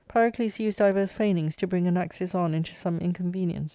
Pyrocles used divers feignings to bring Anaxius on into some inconvenience.